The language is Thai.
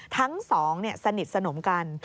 ทั้งสองสนิทสนมกัน